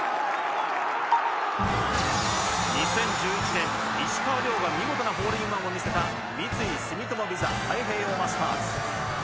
２０１１年、石川遼が見事なホールインワンを見せた三井住友ＶＩＳＡ太平洋マスターズ。